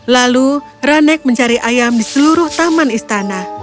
lalu ranek mencari ayam di seluruh taman istana